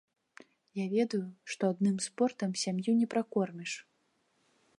Я ведаю, што адным спортам сям'ю не пракорміш.